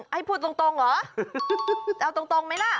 ให้พูดตรงเหรอเอาตรงไหมล่ะ